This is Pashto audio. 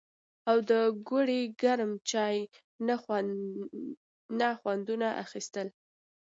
او د ګوړې ګرم چای نه خوندونه اخيستل